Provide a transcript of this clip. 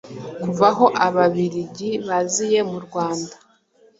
Kuva aho Ababiligi baziye mu Rwanda